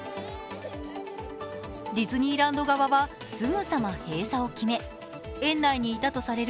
ディズニーランド側はすぐさま閉園を決め園内にいたとされる